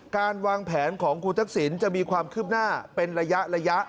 การวางแผนของคุณทักษิณจะมีความคืบหน้าเป็นระยะ